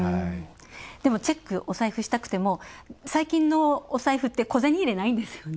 でも、チェック、お財布したくても最近のお財布って小銭入れ、ないんですよね。